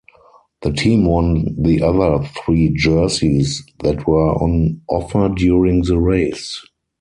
The team won the other three jerseys that were on offer during the race.